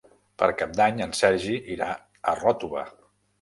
Per Cap d'Any en Sergi irà a Ròtova.